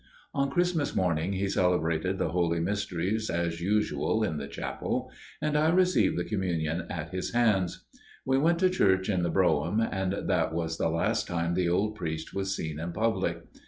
On Christmas morning he celebrated the Holy Mysteries as usual in the chapel, and I received the Communion at his hands. We went to church in the brougham, and that was the last time the old priest was seen in public.